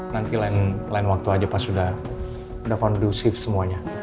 nanti lain waktu aja pas sudah kondusif semuanya